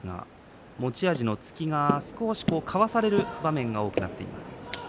持ち味の突きが少しかわされる場面が多くなっています。